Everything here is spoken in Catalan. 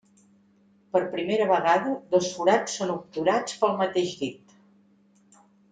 Per primera vegada dos forats són obturats pel mateix dit.